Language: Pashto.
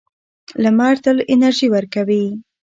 لمر تل انرژي ورکوي.